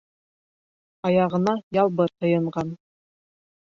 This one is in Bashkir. Аяғына Ялбыр һыйынған.